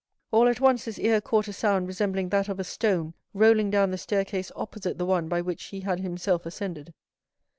All at once his ear caught a sound resembling that of a stone rolling down the staircase opposite the one by which he had himself ascended.